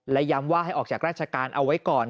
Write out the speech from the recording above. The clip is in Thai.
และย้ำว่าให้ออกจากราชการเอาไว้ก่อน